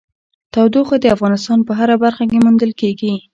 تودوخه د افغانستان په هره برخه کې موندل کېږي.